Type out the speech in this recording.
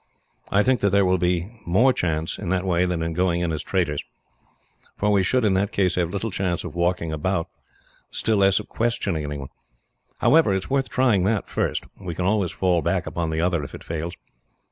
"I think that there will be more chance, in that way, than in going in as traders; for we should, in that case, have little chance of walking about, still less of questioning anyone. However, it is worth trying that first. We can always fall back upon the other, if it fails.